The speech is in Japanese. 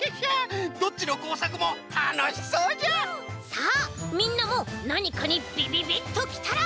さあみんなもなにかにびびびっときたら。